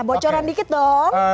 bocoran dikit dong